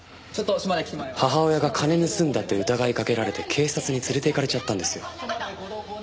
母親が金盗んだって疑いかけられて警察に連れて行かれちゃったんですよ。